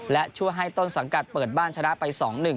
และช่วยให้ต้นสังกัดเปิดบ้านชนะไป๒๑